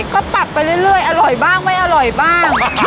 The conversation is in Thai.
ก็ปรับไปเรื่อยอร่อยบ้างไม่อร่อยบ้าง